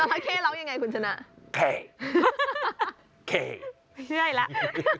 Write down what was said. เมนูที่สุดยอด